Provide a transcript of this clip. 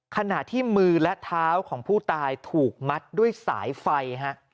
ขณะที่มือและเท้าของผู้ตายถูกมัดด้วยสายไฟฮะ